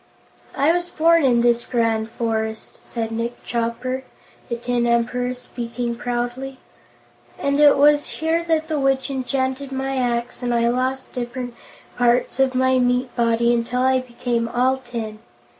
"I was born in this grand forest," said Nick Chopper, the tin Emperor, speaking proudly, "and it was here that the Witch enchanted my axe and I lost different parts of my meat body until I became all tin.